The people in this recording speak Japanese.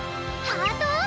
ハートを！